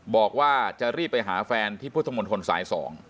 บอกว่าจะรีบไปหาแฟนที่พุทธมนตรสาย๒